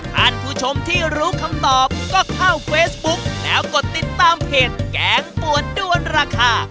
ท่านผู้ชมที่รู้คำตอบก็เข้าเฟซบุ๊กแล้วกดติดตามเพจแกงปวดด้วนราคา